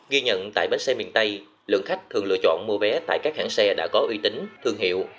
ghi nhận tại bến xe miền tây lượng khách thường lựa chọn mua vé tại các hãng xe đã có uy tín thương hiệu